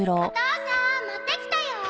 お父さん持ってきたよ！